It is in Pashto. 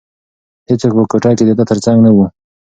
هیڅوک په کوټه کې د ده تر څنګ نه وو.